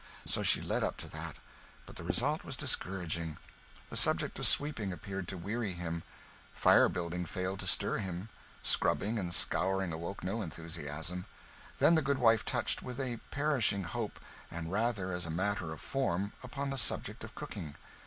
So she led up to that. But the result was discouraging. The subject of sweeping appeared to weary him; fire building failed to stir him; scrubbing and scouring awoke no enthusiasm. The goodwife touched, with a perishing hope, and rather as a matter of form, upon the subject of cooking.